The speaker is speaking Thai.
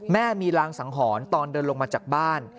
มีรางสังหรณ์ตอนเดินลงมาจากบ้าน